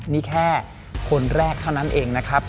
นี่แค่คนแรกเท่านั้นเองนะครับ